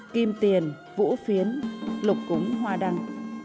kim tiền vũ phiến lục cúng hoa đăng